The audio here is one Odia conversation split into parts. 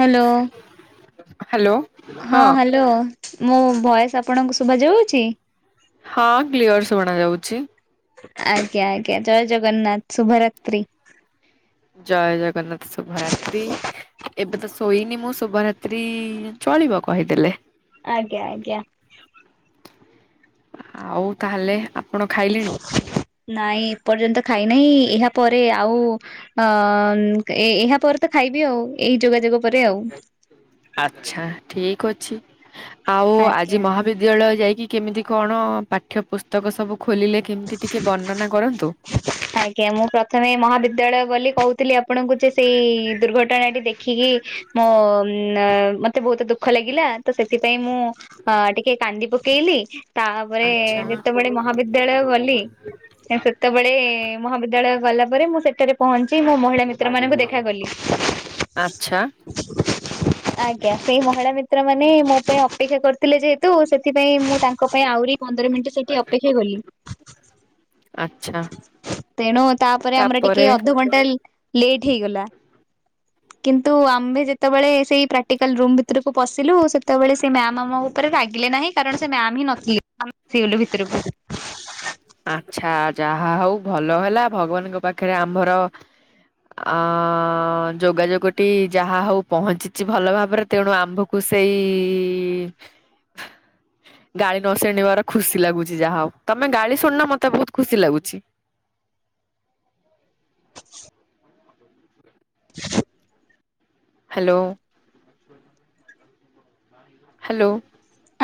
ହ୍ୟାଲୋ। ହ୍ୟାଲୋ। ହଁ ହ୍ୟାଲୋ ମୋ ଭଏସ ଆପଣଙ୍କୁ ଶୁଭାଯାଉଛି? ହଁ କ୍ଲିଅର୍ ଶୁଣା ଯାଉଛି। ଆଜ୍ଞା ଆଜ୍ଞା ଜୟ ଜଗନ୍ନାଥ ଶୁଭ ରାତ୍ରି। ଜୟ ଜଗନ୍ନାଥ ଶୁଭରାତ୍ରି। ଏବେ ତ ଶୋଇନି ମୁଁ ଶୁଭରାତ୍ରି ଚଳିବ କହିଦେଲେ। ଆଜ୍ଞା ଆଜ୍ଞା। ଆଉ ତାହେଲେ ଆପଣ ଖାଇଲେଣି? ନାଇଁ ଏପର୍ଯ୍ୟନ୍ତ ଖାଇନାହିଁ ଏହା ପରେ ଆଉ ହଁ ଏହାପରେ ତ ଖାଇବି ଆଉ ଏହି ଯୋଗାଯୋଗ ପରେ ଆଉ। ଆଚ୍ଛା ଠିକ୍ ଅଛି ଆଉ ଆଜି ଆଜ୍ଞା ମହା ବିଦ୍ୟାଳୟ ଯାଇକି କେମିତି କଣ ପାଠ୍ୟପୁସ୍ତକ ସବୁ ଖୋଲିଲେ କେମତି ଟିକିଏ ବର୍ଣ୍ଣନା କରନ୍ତୁ? ହ ଆଜ୍ଞା ମୁଁ ପ୍ରଥମେ ମହାବିଦ୍ୟାଳୟ ଗଲି କହୁଥିଲି ଆପଣଙ୍କୁ ଯେ ସେଇ ଦୁର୍ଘଟଣାଟି ଦେ ଦେଖିକି ମୋ ମତେ ବହୁତ ଦୁଃଖ ଲାଗିଲା ତ ସେଥିପାଇଁ ମୁଁ ଅ ଟିକେ କାନ୍ଦି ପକେଇଲି। ତାପରେ ଆଚ୍ଛା ଯେତେବେଳେ ମହାବିଦ୍ୟାଳୟ ଗଲି ସେ ସେତେବେଳେ ମହାବିଦ୍ୟାଳୟ ଗଲା ପରେ ମୁଁ ସେଠାରେ ପହଞ୍ଚି ମୋ ମହିଳା ମୀ ଚିତ୍ର ମାନଙ୍କୁ ଦେଖାକଲି। ଆଚ୍ଛା ଆଜ୍ଞା, ସେଇ ମହିଳା ମିତ୍ର ମାନେ ମୋ ପାଇଁ ଅପେକ୍ଷା କରିଥିଲେ ଯେହେତୁ, ସେ ଥିପାଇଁ ମୁଁ ତାଙ୍କ ପାଇଁ ଆହୁରି ପନ୍ଦର ମିନିଟ ସେଠି ଅପେକ୍ଷା ଗଲି। ଆଚ୍ଛା ତେଣୁ ତାପରେ ଆମର ଟିକେ ଅଧଘଣ୍ଟା ଲେଟ୍ ହେଇଗଲା। କିନ୍ତୁ ଆମ୍ଭେ ଯେତେବେଳେ ସେଇ ପ୍ରାକ୍ଟିକାଲ ରୁମ୍ ଭିତରକୁ ପଶିଲୁ, ସେତେବେଳେ ସେ ମ୍ୟାମ ଆମ ଉପରେ ରାଗିଲେ ନାହିଁ। କାରଣ ସେ ମ୍ୟାମ ହିଁ ନଥିଲେ, ଆମ [unintelligible] ସିଗଲୁ ଭିତରକୁ ଆଚ୍ଛା, ଯାହା ହଉ ଭଲ ହେଲା, ଭଗବାନଙ୍କ ପାଖରେ ଆମ୍ଭର ଓ, ଯୋଗାଯୋଗ ଟି ଯାହା ହଉ ପହଞ୍ଚିଚି ଭଲ ଭାବରେ, ତେଣୁ ଆମ୍ଭ କୁ ସେଇ [inaudible] ଗାଳି ନ ଶୁଣିବାର ଖୁସି ଲାଗୁଛି, ଯାହା ହଉ, ତମେ ଗାଳି ଶୁଣିନ, ମତେ ବହୁତ ଖୁସି ଲାଗୁଛି। [inaudible] ହ୍ୟାଲୋ ହ୍ୟାଲୋ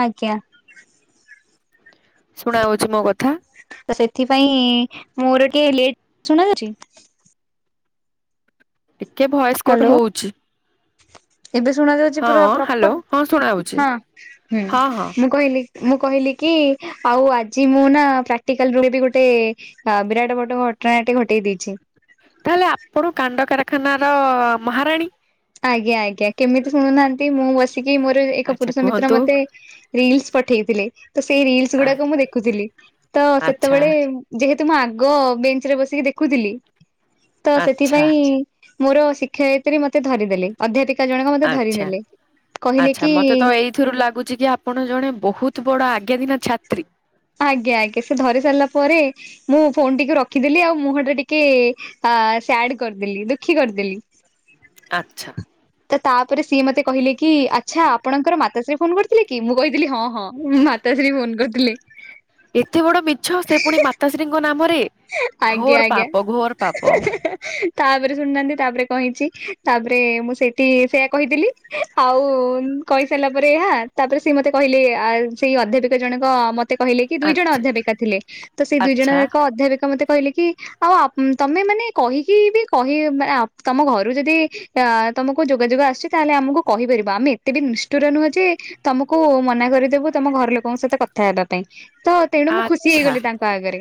ଆଜ୍ଞା ଶୁଣା ଯାଉଛି ମୋ କଥା? ତ ସେଥିପାଇଁ ମୋର ଟିକେ ଲେଟ, ଶୁଣା ଯାଉଛି? ଟିକେ ଭଏସ୍ କଟ୍ ହ୍ୟାଲୋ। ହଉଛି। ଏବେ ଶୁଣା ଯାଉଛି ହଁ ପୁରା ହ୍ୟାଲୋ ପ୍ରପର, ହଁ ଶୁଣାହଉଛି ହଁ ହୁଁ, ହଁ ହଁ ମୁଁ କହିଲି ମୁଁ କହିଲି କି, ଆଉ ଆଜି ମୁଁ ନା ପ୍ରାକ୍ଟିକାଲ ରୁ ରେ ବି ଗୋଟେ ହଁ, ବିରାଟ ବଡ ଘଟଣା ଟି ଘଟେଇ ଦେଇଛି। ତାହେଲେ ଆପଣ କାଣ୍ଡ କାରଖାନାର ମହାରାଣୀ? ଆଜ୍ଞା, ଆଜ୍ଞା, କେମିତି ଶୁଣୁନାହାନ୍ତି, ମୁଁ ବସିକି ମୋର ଏକ ଆଚ୍ଛା ପୁରୁଷ ମିତ୍ର କୁହନ୍ତୁ ମତେ ରିଲସ୍ ପଠେଇଥିଲେ, ତ ସେଇ ରିଲସ୍ ଗୁଡାକ ମୁଁ ଦେଖୁଥିଲି, ତ ଆଚ୍ଛା ସେତେବେଳେ ଯେହେତୁ ମୁଁ ଆଗ ବେଞ୍ଚ ରେ ବସିକି ଦେଖୁଥିଲି, ତ ଆଚ୍ଛା ସେଥିପାଇଁ ମୋର ଶିକ୍ଷାୟିତ୍ରି ମୋତେ ଧରିଦେଲେ, ଅଧ୍ୟାପି କା ଜଣକ ମୋତେ ଆଚ୍ଛା ଧରିନେଲେ, କହିଲେ କି ଏଥିରୁ ଲାଗୁଛି କି, ଆପଣ ଜଣେ ବହୁତ ବଡ ଆଜ୍ଞାଧୀନ ଛାତ୍ରୀ ଆଜ୍ଞା, ଆଜ୍ଞା, ସେ ଧରି ସାରିଲା ପରେ ମୁଁ ଫୋନଟିକୁ ରଖିଦେଲି, ଆଉ ମୁହଁଟା ଟିକେ ସାଡ୍ କରିଦେଲି, ଦୁଃଖୀ କରିଦେଲି। [inaudible] ଆଚ୍ଛା ତ ତାପରେ ସିଏ ମତେ କହିଲେ କି, ଆଚ୍ଛା, ଆପଣଙ୍କର ମାତାଶ୍ରୀ ଫୋନ କରିଥିଲେ କି, ମୁଁ କହିଥିଲି, ହଁ ହଁ, ମା ତାଶ୍ରୀ ଫୋନ କରିଥିଲେ। ଏତେ ବଡ ମିଛ, ସେ ପୁଣି ମାତାଶ୍ରୀଙ୍କ ନାମରେ? ଆଜ୍ଞା, ଘୋର ଆଜ୍ଞା, ପାପ ଘୋର ପାପ ହି ହି ହି ହି ତାପରେ ଶୁଣିନାହାନ୍ତି, ତାପରେ କଣ ହେଇଛି, ତାପରେ ମୁଁ ସେଇଠି ସେୟା କହିଦେଲି ଆଉ କହିସାରିଲା ପରେ ଏହା, ତାପରେ ସେ ମୋତେ କହିଲେ, ସେଇ ଅଧ୍ୟାପିକା ଜଣକ ମୋ ତେ କହିଲେ କି, ଦୁଇ ଜଣ ଆଚ୍ଛା ଅଧ୍ୟାପିକା ଥିଲେ, ତ ସେଇ ଦୁଇ ଜଣ ଆଚ୍ଛା ଯାକ ଅଧ୍ୟାପିକା ମତେ କହିଲେ କି ଆଉ ତମେ ମାନେ କହିକି ବି କହି, [unintelligible] ତମ ଘରୁ ଯଦି ଅ, ତମକୁ ଯୋଗାଯୋଗ ଆସୁଛି, ତାହେଲେ ଆମକୁ କହିପାରିବ, ଆମେ ଏତେ ବି ନିଷ୍ଠୁର ନୁହେଁ ଯେ ତମକୁ ମନା କରିଦେବୁ, ତମ ଘର ଲୋକଙ୍କ ସହିତ କଥା ହେବା ପାଇଁ, ତ, ତେଣୁ ମୁଁ ଖୁସି ଆଚ୍ଛା ହେଇଗଲି ତାଙ୍କ ଆଗରେ।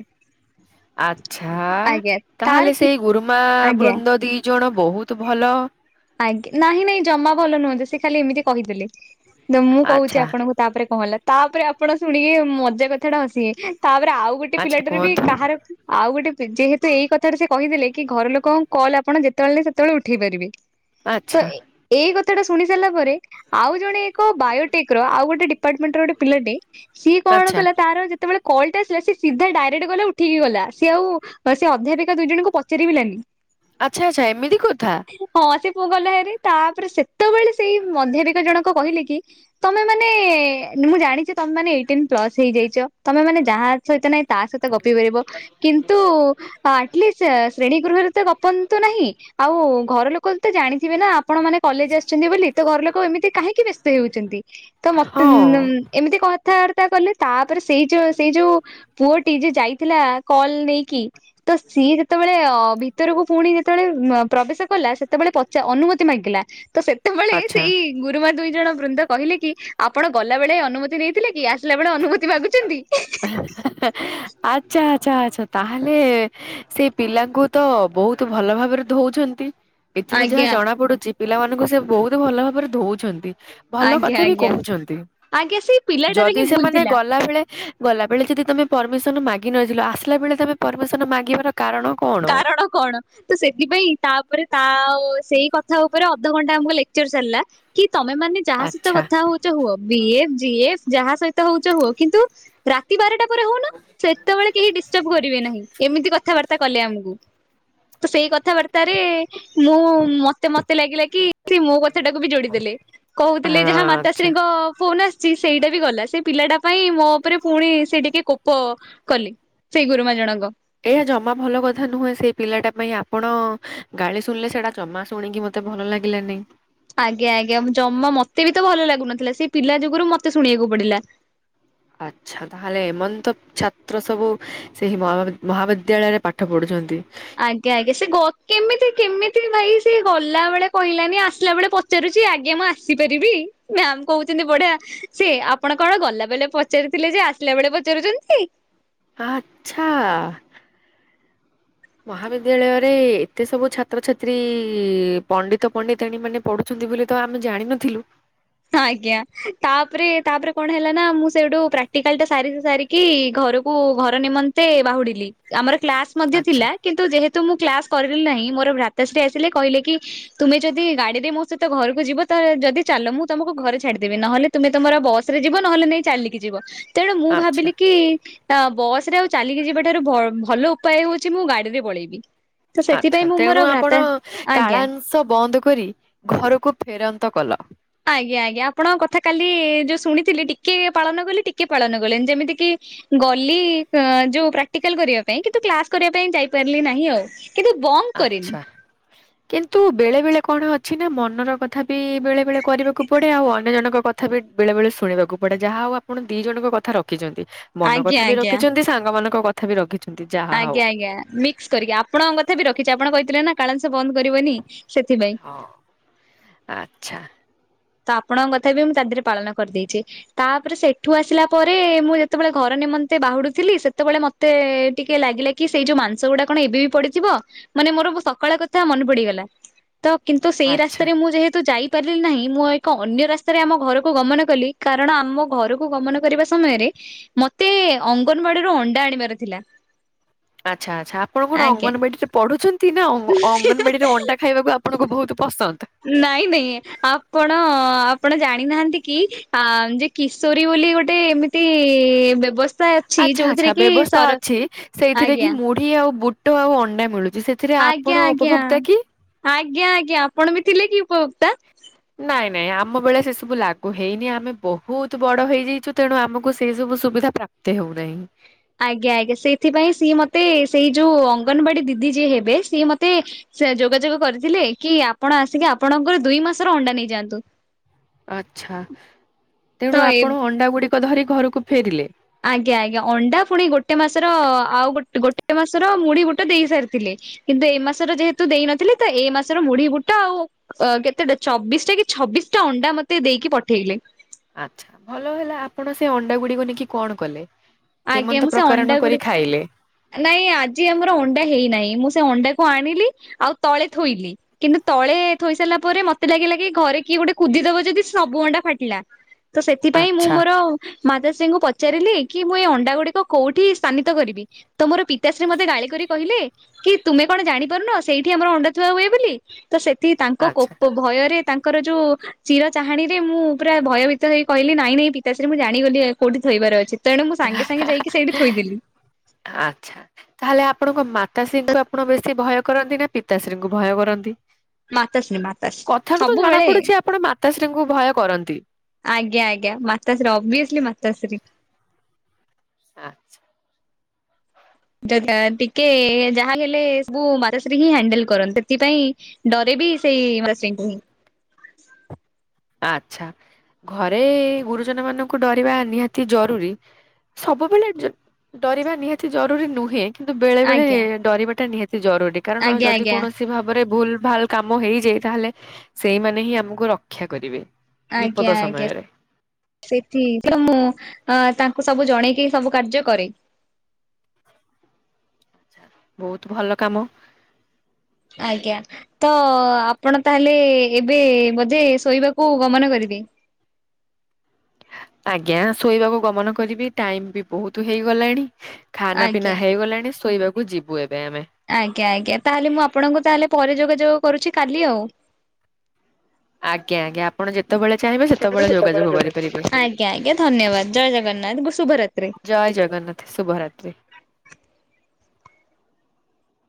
ଆଚ୍ଛା, ଆଜ୍ଞା ତାର ତାହେଲେ କି ସେଇ ଗୁରୁମା ଆଜ୍ଞା। ବୃନ୍ଦ ଦି ଜଣ ବହୁତ ଭଲ। ଆଜ୍ଞା, ନାହିଁ ନାହିଁ, ଜମା ଭଲ ନୁହଁନ୍ତି, ସେ ଖାଲି ଏମିତି କହିଦେଲେ, ତ ମୁଁ କହୁଛି ଆଚ୍ଛା ଆପଣଙ୍କୁ ତାପରେ କଣ ହେଲା, ତାପରେ ଆପଣ ଶୁଣିକି ମଜା କଥାଟା ହସିବେ, ତାପରେ ଆଉ ଗୋଟେ ଟେ ଆଚ୍ଛା ପିଲାଟାର ବି କୁହନ୍ତୁ କାହାର ଆଉ ଗୋଟେ ଯେହେତୁ ଏଇ କଥାରେ ସେ କହିଦେଲେ କି ଘରଲୋକଙ୍କ କଲ୍ ଆପଣ ଯେତେବେଳେ ନାଇଁ ସେତେବେଳେ ଉଠେଇ ପାରିବେ। ତ ଆଚ୍ଛା ଏ ଏଇ କଥାଟା ଶୁଣି ସାରିଲା ପରେ ଆଉ ଜଣେ ଏକ ବାୟୋଟେକ୍ ର ଆଉ ଗୋଟେ ଡି ପାର୍ଟମେଣ୍ଟ ର ଗୋଟେ ପିଲାଟେ ସିଏ କଣ ଆଚ୍ଛା ଆଚ୍ଛା କଲା ତାର ଯେ ତେବେଳେ କଲଟା ଆସିଲା ସିଏ ସିଧା ଡାଇରେକ୍ଟ ଗଲା ଉଠିକି ଗଲା, ସିଏ ଆଉ ସେ ଅଧ୍ୟାପିକା ଦୁଇଜଣଙ୍କୁ ପଚାରିବିଲାନି। ଆଚ୍ଛା ଆଚ୍ଛା ଏମିତି କଥା। ହଁ ସେ ପୁଅ ଗଲା ହେରି। ତାପରେ ସେତେବେଳେ ସେଇ ମଧ୍ୟାପିକା ଜଣକ କହିଲେ କି ତମେମାନେ ମୁଁ ଜାଣିଚି ତମେମାନେ ଏଇଟିନ୍ ପ୍ଲସ ହେଇଯାଇଛ, ତମେମାନେ ଯାହା ସହିତ ନାଇଁ ତା ସହିତ ଗପି ପାରିବ। କିନ୍ତୁ ଆଟଲିଷ୍ଟ ଶ୍ରେଣୀ ଗୃହରେ ତ ଗପନ୍ତୁ ନାହିଁ। ଆଉ ଘର ଲୋ ତ ଜାଣିଥିବେ ନା ଆପଣମାନେ କଲେଜ୍ ଆସିଛନ୍ତି ବୋଲି, ତ ଘର ଲୋକ ଏମିତି କାହିଁକି ବେସ୍ତ ହେଉଛନ୍ତି। ତ ମତେ ହଁ [unintelligible] ଏମିତି କଥାବାର୍ତ୍ତା କଲେ ତାପରେ ସେଇ ଯୋ ସେଇ ଯୋଉ ପୁଅଟି ଯିଏ ଯାଇଥିଲା କଲ ନେଇକି, ତ ସିଏ ଯେତେବେଳେ ଭି ତରକୁ ପୁଣି ଯେତେବେଳେ ପ୍ରବେଶ କଲା ସେତେବେଳେ ପଚା ଅନୁମତି ମାଗିଲା, ତ ସେତେବେଳେ ଆଚ୍ଛା ସେଇ ଗୁରୁମା ଦୁଇଜଣ ବୃନ୍ଦ କହିଲେ କି ଆପଣ ଗଲାବେଳେ ଅନୁମତି ନେଇଥିଲେ କି, ଆସିଲା ବେଳେ ଅନୁମତି ମାଗୁଛନ୍ତି। ଆଚ୍ଛା ଆଚ୍ଛା ଆଛା ତାହଲେ ସେ ପିଲାଙ୍କୁ ତ ବୋହୁତ ଭଲଭାବରେ ଧୋଉଛନ୍ତି। ଏଥିରୁ ଯାହା ଆଜ୍ଞା ଜଣା ପଡୁଛି ପିଲାମାନାନଙ୍କୁ ସେ ବୋହୁତ ଭଲଭାବରେ ଧୋଉଛନ୍ତି। ଭଲ ଆଜ୍ଞା କଥା ବି ଆଜ୍ଞା କୋହୁଛନ୍ତି। ଆଜ୍ଞା ସି ଯଦି ସେମାନେ ଗଲାବେଳେ ଗଲାବେଳେ ଯଦି ତମେ ପରମିସନ ମାଗି ନଥିଲ, ଆସିଲା ବେଳେ ତମେ ପରମିସନ ମାଗିବାର କାରଣ? କଣ? କାରଣ କଣ? ତ ସେଥିପାଇଁ ତାପରେ ତା ସେଇ କଥା ଉପରେ ଅଧଘଣ୍ଟା ଆମକୁ ଲେକ୍ଚର ଚାଲିଲା। କି ତମେମାନେ ଯାହା ସହିତ ଆଚ୍ଛା କଥା ହୋଉଚ ହୁଅ। ବିଏଫ୍ ଯିଏଫ୍ ଯାହା ସହିତ ହୋଉଚ ହୁଅ, କିନ୍ତୁ ରାତି ବାରଟା ପରେ ହୋଉନ ସେତେବେଳେ କେହି ଡିସ୍ଟବ୍ କରିବେ ନାହିଁ, ଏମିତି କଥାବାର୍ତ୍ତା କଲେ ଆମୁକୁ। ତ ସେଇ କଥାବାର୍ତ୍ତା ରେ ମୁଁ ମତେ ମତେ ଲାଗିଲା କି ସେ ମୋ କଥାଟାକୁ ବି ଯୋଡିଦେଲେ। କହୁଥିଲେ ଯେ ହଁ ମାତାଶ୍ରୀଙ୍କ ଫୋନ୍ ଆସ୍ ସେ ସେଇଟା ବି ଗଲା, ସେ ପିଲାଟା ପାଇଁ ମୋ ଉପରେ ପୁଣି ସେ ଟିକେ କୋପ କଲେ। ସେଇ ଗୁରୁମା ଜଣଙ୍କ। ଏହା ଜମା ଭଲ କଥା ନୁହେଁ ସେଇ ପିଲାଟା ପାଇଁ ଆପଣ ଗାଳି ଶୁଣିଲେ, ସେଟା ଜମା ଶୁଣିକି ମ ତେ ଭଲ ଲାଗିଲାନି। ଆଜ୍ଞା ଆଜ୍ଞା, ଜମା ମତେ ବି ତ ଭଲ ଲାଗୁନଥିଲା ସେ ପିଲା ଯୋଗରୁ ମତେ ଶୁଣିଆକୁ ପଡିଲା। ଆଚ୍ଛା ତାହେଲେ ଏମନ୍ତ ଛାତ୍ର ସବୁ ସେହି ମହା ମହାବିଦ୍ୟାଳୟରେ ପାଠ ପଢୁଛନ୍ତି। ଆଜ୍ଞା ଆଜ୍ଞା ସେ ଗ କେମିତି କେମିତି ଭାଇ ସେ ଗଲା ବଳେ କହିଲାନି ଆସିଲା ବଳେ ପ ଚାରୁଛି ଆଜ୍ଞା ମୁଁ ଆସିପାରିବି? ମ୍ୟାମ୍ କହୁଚନ୍ତି ବଢିଆ ସେ ଆପଣ କଣ ଗଲାବେଲେ ପଚାରିଥିଲେ ଯେ ଆସିଲା ବେଳେ ପଚାରୁଚନ୍ତି। ଆଚ୍ଛା। ମହାବିଦ୍ୟାଳୟରେ ଏତେ ସବୁ ଛାତ୍ରଛାତ୍ରୀ ପଣ୍ଡିତ ପଣ୍ଡିତିୟାଣୀ ମାନେ ପଢ଼ୁଛନ୍ତି ବୋଲି ତ ଆମେ ଜାଣିନଥିଲୁ। ଆଜ୍ଞା, ତାପରେ ତାପରେ କଣ ହେଲା ନା ମୁଁ ସେଇଠୁ ପ୍ରାକ୍ଟିକାଲ୍ ଟା ସାରି ସାରି କି ଘରକୁ ଘର ନିମନ୍ତେ ବାହୁଡିଲି, ଆମର କ୍ଲାସ ମଧ୍ୟ ଆଚ୍ଛା ଥିଲା କିନ୍ତୁ ଯେହେତୁ ମୁଁ କ୍ଲାସ୍ କରିଲି ନାହିଁ? ମୋର ଭ୍ରାତାଶ୍ରୀ ଆସିଲେ କହିଲେ କି- - ତୁମେ ଯଦି ଗାଡିରେ ମୋ ସହିତ ଘରକୁ ଯିବ ଯଦି ଚାଲ। ମୁ ତମକୁ ଘରେ ଛାଡିଦେବେ ନହେଲେ ତୁମେ ତମର ବସ ରେ ଯିବ ନହେଲେ ନାଇ ଚାଲିକି ଯିବ। ତେଣୁ ମୁଁ ଆଚ୍ଛା ଭାବିଲି କି - - ବସ ରେ ଆଉ ଚାଲିକି ଯିବାଠାରୁ ବ ଭଲ ଉପାୟ ହଉଚି ମୁଁ ଗାଡିରେ ପଳେଇବି। ତ ସେଥିପାଇଁ ଆଚ୍ଛା, ମୁଁ ମୋର ତେଣୁ ଭ୍ରାତା ଆପଣ ଆଜ୍ଞା କାଳାଂଶ ବନ୍ଦ କରି ଘରକୁ ଫେରାନ୍ତ କଲ। ଆଜ୍ଞା, ଆଜ୍ଞା। ଆପଣ କଥା କାଲି ଯୋଉ ଶୁଣିଥିଲି ଟିକେ ପାଳନ କଲେ ଟିକେ ପାଳନ କଲିନି। ଯେମିତି କିି ଗଲି ଯୋଉ ପ୍ରାକ୍ଟିକାଲ୍ କରିବା ପାଇଁ, କିନ୍ତୁ କ୍ଲାସ କରିବା ପାଇଁ ଯାଇପାରିଲି ନାହିଁ ଆଉ। କିନ୍ତୁ ବ ଆଚ୍ଛା। କିନ୍ତୁ ବେଳେ ବେଳେ କଣ ଅଛି ନା ମନର କଥା ବି ବେଳେ ବେଳେ କରିବାକୁ ପଡେ। ଆଉ ଅନ୍ୟ ଜଣଙ୍କ କ ଥା ବି ବେଳେ ବେଳେ ଶୁଣିବାକୁ ପଡେ, ଯାହା ହଉ ଆପଣ ଦି ଜଣଙ୍କ କଥା ରଖିଚନ୍ତି। ମନ ଆଜ୍ଞା କଥା ବି ଆଜ୍ଞା ରଖିଚନ୍ତି, ସାଙ୍ଗ ମାନଙ୍କ କଥା ବି ରଖିଚନ୍ତି, ଯାହା ହଉ। ୟା ନିକ୍। କରିକି ଆପଣଙ୍କ କଥା ବି ରଖିଛି ଆପଣ କହିଥିଲେ ନା କାଳଂସ ବନ୍ଦ୍ କରିବନି ସେଥିପାଇଁ। ହ, ଆଚ୍ଛା। ତ ଆପଣଙ୍କ କଥା ବି ମୁଁ ତା ଦେହରେ ପାଳନ କରିଦେଇଚି। ତାପରେ ସେଠୁ ଆସିଲା ପରେ ମୁଁ ଯେତେବେଳେ ଘର ନିମନ୍ତେ ବାହୁଡୁଥିଲି ସେତେବେଳେ ମ ତେ ଟିକେ ଲାଗିଲା କି ସେଇ ଯୋଉ ମାଂସ ଗୁଡା କଣ ଏବେ ବି ପଡିଥିବ। ମାନେ ମୋର ସକାଳ କଥା ମନେ ପଡିଗଲା। ତ କିନ୍ତୁ ସେଇ ଆଚ୍ଛା। ରାସ୍ତାରେ ମୁଁ ଯେହେତୁ ଯାଇପାରିଲି ନାହିଁ। ମୁଁ ଏକ ଅନ୍ୟ ରାସ୍ତାରେ ଆମ ଘରକୁ ଗମନ କଲି। କାରଣ ଆମ ଘରକୁ ଗମନ କରିବା ସମୟରେ ମତେ ଅଙ୍ଗନବାଡିରୁ ଅଣ୍ଡା ଆଣିବାର ଥିଲା। ଆଚ୍ଛା, ଆଚ୍ଛା। ଆପଣ କଣ ଆଜ୍ଞା। ଅଙ୍ଗନବାଡିରେ ପଢୁଛନ୍ତି? ନା ଅଙ୍ଗ ଅଙ୍ଗନବାଡିରେ ଅଣ୍ଡା ଖାଇବାକୁ ଆପଣଙ୍କୁ ବହୁତ ପସନ୍ଦ। ନାଇଁ ନାଇଁ, ଆପଣ ଆପଣ ଜାଣିନାହାନ୍ତି କି ଯେ କିଶୋରୀ ବୋଲି ଗୋଟେ ଏମିତି ବ୍ୟବ ସ୍ତା ଅଛି। ଆଚ୍ଛା ଆଚ୍ଛା ଯୋଉଥିରେ କି ବ୍ୟବସ୍ଥା ସର ଅଛି ସେଇଥିରେ କି ଆଜ୍ଞା। ମୁଢି ଆଉ ବୁଟ ଆଉ ଅଣ୍ଡା ମିଳୁଛି। ସେଥିରେ ଆଜ୍ଞା ଆପଣ ଆଜ୍ଞା ଉପରୋକ୍ତା କି? ଆଜ୍ଞା, ଆଜ୍ଞା। ଆପଣ ବି ଥିଲେ କି ଉପଭୋକ୍ତା। ନାଇଁ ନାଇଁ, ଆମ ବେଳେ ସେସବୁ ଲାଗୁ ହେଇନି ଆମେ ବହୁତ ବଡ଼ ହେଇଯାଇଛୁ ତେଣୁ ଆମକୁ ସେସବୁ ସୁବିଧା ପ୍ରା ପ୍ତ ହେଉ ନାହିଁ। ଆଜ୍ଞା, ଆଜ୍ଞା ସେଇଥିପାଇଁ ସିଏ ମତେ ସେଇ ଯୋଉ ଅଙ୍ଗନବାଡି ଦିଦି ଯିଏ ହେବେ ସିଏ ମତେ ସେ ଯୋଗାଯୋଗ କରିଥିଲେ, କି ଆପଣ ଆସିକି ଆପଣଙ୍କର ଦୁଇ ମାସର ଅଣ୍ଡା ନେଇଯାଆନ୍ତୁ। ଆଛା, ତ ତେଣୁ ଏ ଆପଣ ଅଣ୍ଡା ଗୁଡିକ ଧରି ଘରକୁ ଫେରିଲେ। ଆଜ୍ଞା, ଆଜ୍ଞା ଅଣ୍ଡା ପୁଣି ଗୋଟେ ମାସର ଆଉ ଗୋଟେ ମାସର ମୁଢି ବୁଟ ଦେଇ ସାରିଥିଲେ। କିନ୍ତୁ ଏ ମାସର ଯେହେତୁ ଦେଇନଥିଲେ ତ ଏ ମାସର ମୁଢି ବୁଟ ଆଉ ଅ କେତେଟା ଚବିଶଟା କି ଛବିଶ ଟା ଅଣ୍ଡା ମତେ ଦେଇକି ପଠେଇଲେ। ଆଚ୍ଛା, ଭଲ ହେଲା ଆପଣ ସେ ଅଣ୍ଡା ଗୁଡିକୁ ନେଇକି କଣ କଲେ। ଆଜ୍ଞା କେମନ୍ତ ମୁଁ ସେ ଅଣ୍ଡା ପ୍ରକାରକ ଗୁଡି କରି ଖାଇଲେ? ନାଇଁ ଆଜି ଆମର ଅଣ୍ଡା ହେଇନାହିଁ। ମୁଁ ସେ ଅଣ୍ଡାକୁ ଆଣିଲି ଆଉ ତଳେ ଥୋଇଲି। କିନ୍ତୁ ତଳେ ଥୋଇ ସାରିଲା ପରେ ମତେ ଲାଗିଲା କି ଘରେ କିଏ ଗୋଟେ କୁଦିଦବ ଯଦି ସେ ସବୁ ଅଣ୍ଡା ଫାଟିଲା ତ ସେଥିପାଇଁ ମୁଁ ଆଚ୍ଛା ମୋର ମାତାଶ୍ରୀଙ୍କୁ ପଚାରିଲି - - କି ମୁଁ ଏ ଅଣ୍ଡା ଗୁଡ଼ିକ କଉଠି ସ୍ଥାନିତ କରିବି? ତ ମୋର ପିତାଶ୍ରୀ ମତେ ଗାଳିିକ କରି କହିଲେ, କି ତୁମେ କଣ ଜାଣିପାରୁନ ସେଇଠି ଆମର ଅଣ୍ଡା ଥୁଆହୁଏ ବୋଲି। ତ ସେଥି ତାଙ୍କ ଆଚ୍ଛା। କୋପ ଭୟରେ ତାଙ୍କର ଯୋଉ ଚିର ଚାହାଣୀରେ ମୁଁ ପୁରା ଭୟଭୀତ ହେଇ କହିଲି ନାଇଁ ନାଇଁ ପିତାଶ୍ରୀ ମୁଁ ଜାଣିଗଲି କୋଉଁଠି ଶୋଇବାରେ ଅଛି। ତେଣୁ ମୁଁ ସାଙ୍ଗେ ସାଙ୍ଗେ ଯାଇକି ସେଇଠି ଶୋଇଦେଲି। ଆଚ୍ଛା ତାହେଲେ ଆପଣଙ୍କ ମାତାଶ୍ରୀଙ୍କୁ ଆପଣ ବେଶୀ ଭୟ କରନ୍ତି ନାଁ ପିତାଶ୍ରୀଙ୍କୁ ଭୟ କରନ୍ତି। ମାତାଶ୍ରୀ ମାତାଶ୍ରୀ କଥାରୁ ତ ଜଣା ସବୁବେଳେ ପଡୁଛି ଆପଣ ମାତାଶ୍ରୀଙ୍କୁ ଭୟ କରନ୍ତି। ଆଜ୍ଞା ଆଜ୍ଞା ମାତାଶ୍ରୀ ଅବ୍ୟସିଲି ମାତାଶ୍ରୀ। ଆଁ ସେ ଯାହା ଟିକେ ଯାହା ହେଲେ କୁ ମାତାଶ୍ରୀ ହିଁ ହ୍ୟାଣ୍ଡେଲ କରନ୍ତି। ସେଥିପାଇଁ ଡରେ ବି ସେଇ ଡଷ୍ଟିଙ୍ଗକ୍ଯୁନି। ଆଚ୍ଛା ଘରେ ଗୁରୁଜନ ମାନଙ୍କୁ ଡରିବା ନିହାତି ଜରୁରୀ। ସବୁବେଳେ ଯା ଡରିବା ନିହାତି ଜରୁରୀ ନୁହେଁ। କିନ୍ତୁ ବେଳେ ବେଳେ ଆଜ୍ଞା ଡରିବାଟା ନିହାତି ଜରୁରୀ କାରଣ ଆଜ୍ଞା ଯଦି ଆଜ୍ଞା କୋଣସି ସି ଭାବରେ ଭୁଲ ଭାଲ କାମ ହେଇଯାଇ ତାହେଲେ ସେଇମାନେ ହିଁ ଆମକୁ ରକ୍ଷା କରିବେ। ବିପଦ ଆଜ୍ଞା ଆଜ୍ଞା। ସମୟରେ ସେଠି ସେ ମୁଁ ଅଁ ତାଙ୍କୁ ସବୁ ଜଣେଇକି ସବୁ କାର୍ଯ୍ୟ କରେ। ବହୁତ ଭଲ କାମ। ଆଜ୍ଞା। ତ ଆପଣ ତାହେଲେ ଏବେ ବୋଧେ ଶୋଇବାକୁ ଗମନ କରିବେ। ଆଜ୍ଞା ଶୋଇବାକୁ ଗମନ କରିବି ଟାଇମ ବି ବହୁତ ହେଇଗଲାଣି। ଖାନା ପିନା ଆଜ୍ଞା ହେଇଗଲାଣି ଶୋଇବାକୁ ଯିବୁ ଏବେ ଆମେ। ଆଜ୍ଞା ଆଜ୍ଞା। ତାହେଲେ ମୁଁ ଆପଣଙ୍କୁ ତାହେଲେ ପରେ ଯୋଗାଯୋଗ କରୁଛି କାଲି ଆଉ। ଆଜ୍ଞା ଆଜ୍ଞା। ଆପଣ ଯେତେବେଳେ ଚାହିଁବେ ଇଚ୍ଛା ଥିଲେ ଯେତେ ବେଳେ ଯୋଗାଯୋଗ କରିପାରିବେ। ଆଜ୍ଞା ଆଜ୍ଞା ଧନ୍ୟବାଦ ଜୟ ଜଗନ୍ନାଥ ଗୁ ଶୁଭରାତି। ଜୟ ଜଗନ୍ନାଥ ଶୁଭ ରାତ୍ରି।